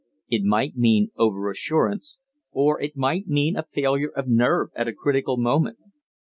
It might mean over assurance, or it might mean a failure of nerve at a critical moment.